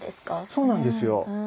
そうなんですよ。